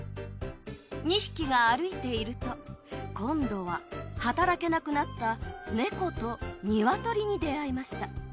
２匹が歩いていると今度は働けなくなった猫とニワトリに出会いました。